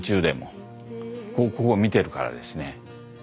ここ見てるからですね。